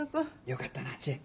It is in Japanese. よかったな知恵